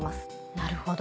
なるほど。